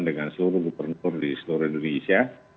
dengan seluruh gubernur di seluruh indonesia